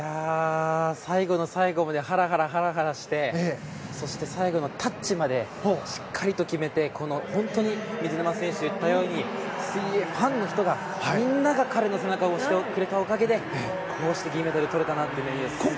最後の最後までハラハラしてそして最後のタッチまでしっかりと決めて本当に、水沼選手が言ったように水泳ファンの人がみんなが彼の背中を押してくれたおかげでこうして銀メダルをとれたなと。